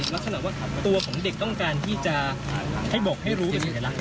แล้วฉะนั้นว่าตัวของเด็กต้องการที่จะให้บอกให้รู้เป็นไงล่ะ